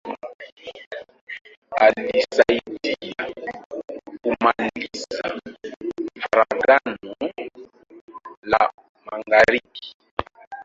Alisaidia kumaliza Farakano la magharibi.